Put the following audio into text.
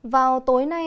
vào tối nay